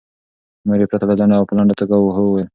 مور یې پرته له ځنډه او په لنډه توګه هو وویل.